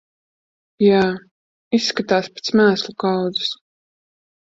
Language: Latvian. Jā, izskatās pēc mēslu kaudzes.